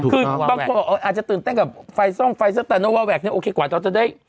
คือบางคนอาจจะตื่นเต้นกับไฟซ่องไฟซ่องแต่โนวาแว็กซ์เนี้ยโอเคกว่าตอนจะได้